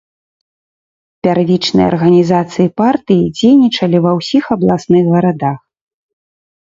Пярвічныя арганізацыі партыі дзейнічалі ва ўсіх абласных гарадах.